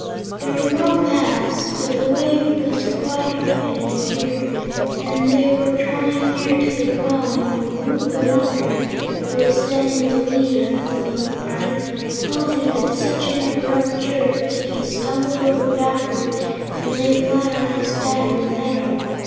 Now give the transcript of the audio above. There were no paths, but the way was quite open and clear, and they were drawing near to the dwelling when Woot the Wanderer, who was then in the lead of the little party, halted with such an abrupt jerk that he stumbled over backward and lay flat on his back in the meadow.